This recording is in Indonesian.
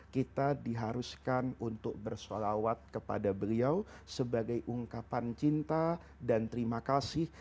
kita diharuskan untuk bersolawat kepada beliau sebagai ungkapan cinta dan terima kasih